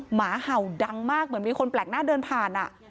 หมาเห่าดังมากเหมือนมีคนแปลกหน้าเดินผ่าน